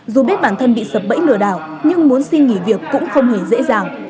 dù biết bản thân bị sập bẫy lừa đảo nhưng muốn xin nghỉ việc cũng không hề dễ dàng